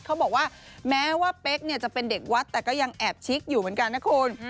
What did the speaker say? เขาบอกว่าแม้ว่าเป๊กเนี่ยจะเป็นเด็กวัดแต่ก็ยังแอบชิคอยู่เหมือนกันนะคุณ